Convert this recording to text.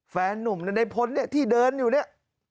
แฟนหนุ่มในในพ้นที่เดินอยู่นี่